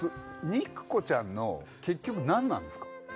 『肉子ちゃん』の結局何なんですか？